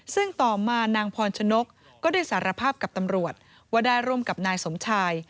ซึ่งต่อมานางพรชนกก็ได้สารภาพกับตำรวจว่าได้ร่วมกับนายสมชาย